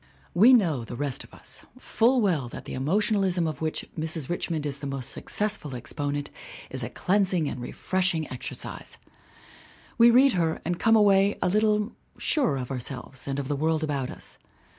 We know the rest of us full well that the emotion alism of 'which Mrs. Richmond is the most successful exponent is a cleansing and refreshing exercise. We read her and come away a little surer of ourselves and of the world about us.